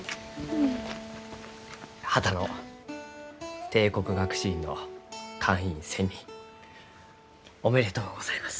波多野帝国学士院の会員選任おめでとうございます。